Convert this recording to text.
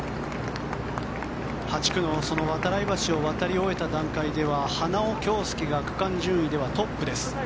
８区の度会橋を渡り終えた段階では花尾恭輔が区間順位ではトップです。